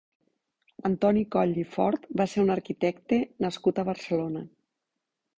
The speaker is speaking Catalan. Antoni Coll i Fort va ser un arquitecte nascut a Barcelona.